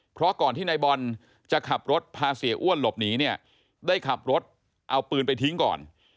เพราะก่อนที่นายบอลจะขับรถพาเสียอ้วนหลบหนีเนี่ยได้ขับรถเอาปืนไปทิ้งก่อน